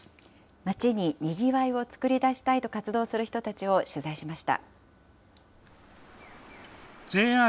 街ににぎわいを作り出したいと活動する人たちを取材しました。